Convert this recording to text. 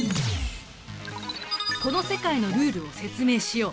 この世界のルールを説明しよう。